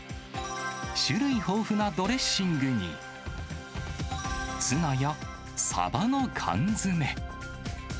種類豊富なドレッシングに、ツナやサバの缶詰。